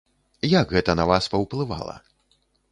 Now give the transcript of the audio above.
Як гэта на вас паўплывала?